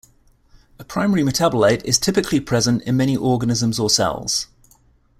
A primary metabolite is typically present in many organisms or cells.